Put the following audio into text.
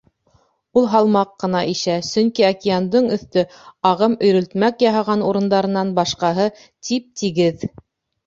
Ул һалмаҡ ҡына ишә, сөнки океандың өҫтө, ағым өйрөлтмәк яһаған урындарынан башҡаһы, тип-тигеҙ.